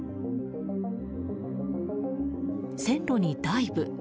線路にダイブ。